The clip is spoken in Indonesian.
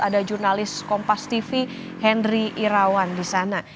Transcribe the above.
ada jurnalis kompas tv henry irawan di sana